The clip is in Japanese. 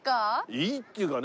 いいっていうかね